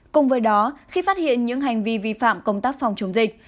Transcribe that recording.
cùng với đó khi phát hiện những hành vi vi phạm công tác phòng chống dịch